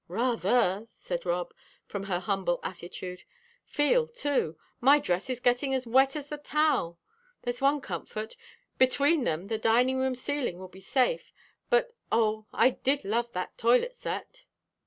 "Rather!" said Rob, from her humble attitude. "Feel, too. My dress is getting as wet as the towel. There's one comfort: between them the dining room ceiling will be safe; but oh, I did love that toilet set!"